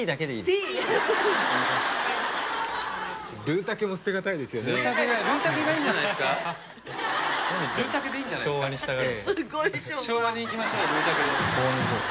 すごい昭和昭和にいきましょうよ